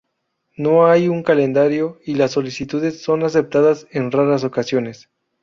No hay un calendario y las solicitudes son aceptadas en raras ocasiones.